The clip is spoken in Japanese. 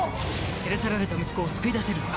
連れ去られた息子を救い出せるのか？